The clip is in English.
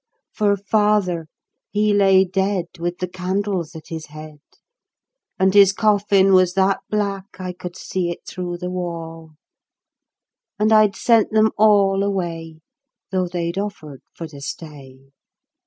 For father, he lay dead With the candles at his head, And his coffin was that black I could see it through the wall ; And I'd sent them all away, Though they'd offered for to stay.